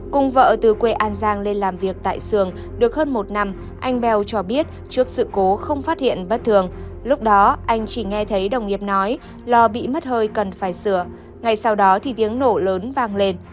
cùng vợ từ quê an giang lên làm việc tại sườn được hơn một năm anh belo cho biết trước sự cố không phát hiện bất thường lúc đó anh chỉ nghe thấy đồng nghiệp nói lo bị mất hơi cần phải sửa ngay sau đó thì tiếng nổ lớn vang lên